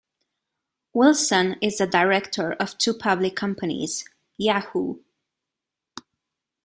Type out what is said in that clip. Wilson is a director of two public companies: Yahoo!